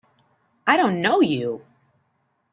I don't know you!